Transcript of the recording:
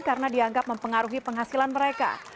karena dianggap mempengaruhi penghasilan mereka